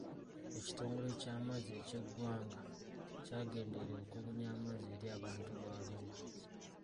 Ekitongole ky'amazzi eky'eggwanga kyagenderera okubunya amazzi eri abantu ba Arua.